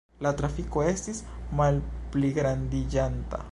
La trafiko estis malpligrandiĝanta.